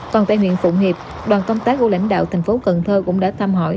còn tại huyện phụng hiệp đoàn công tác của lãnh đạo thành phố cần thơ cũng đã thăm hỏi